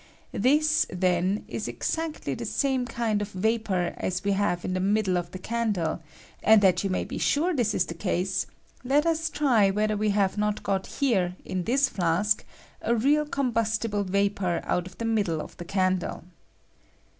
This, then, ia exactly the same kind L of vapor as we have in the middle of the can V die ; and that you may be sure this is the case, I let us try whether we have not got here, in f this flask, a real combustible vapor out of the I middle of the candle.